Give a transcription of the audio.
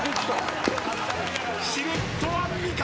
しれっとアンミカ！